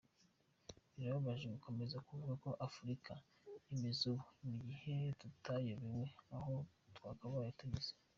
Birababaje gukomeza kuvuga uko Afurika imeze ubu, mu gihe tutayobewe aho twakabaye tugeze.”